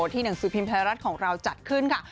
หนังสือพิมพ์ไทยรัฐของเราจัดขึ้นค่ะ